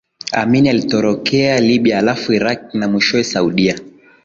Amin alitorokea Libya halafu Iraki na mwishowe Saudia